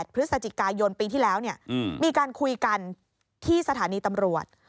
พฤศจิกายนปีที่แล้วมีการคุยกันที่สถานีตำรวจ